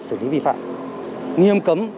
sử lý vi phạm nghiêm cấm